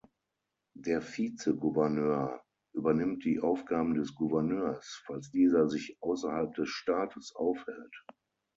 Der Vizegouverneur übernimmt die Aufgaben des Gouverneurs, falls dieser sich außerhalb des Staates aufhält.